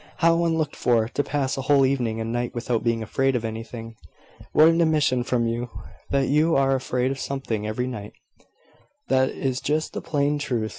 "How unlooked for, to pass a whole evening and night without being afraid of anything!" "What an admission from you! that you are afraid of something every night." "That is just the plain truth.